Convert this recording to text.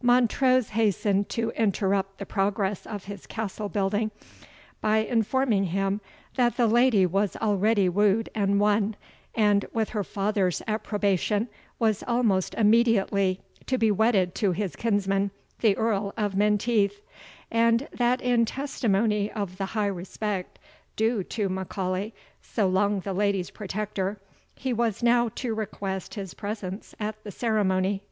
Montrose hastened to interrupt the progress of his castle building, by informing him that the lady was already wooed and won, and, with her father's approbation, was almost immediately to be wedded to his kinsman, the Earl of Menteith; and that in testimony of the high respect due to M'Aulay, so long the lady's protector, he was now to request his presence at the ceremony.